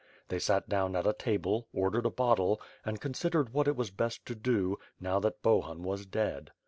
They sat down at a table, ordered a bottle, and considered what was best to do, now that Bohun was dead.